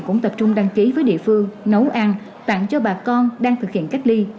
cũng tập trung đăng ký với địa phương nấu ăn tặng cho bà con đang thực hiện cách ly